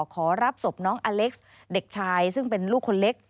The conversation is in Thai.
ขอรับศพน้องอเล็กซ์เด็กชายซึ่งเป็นลูกคนเล็ก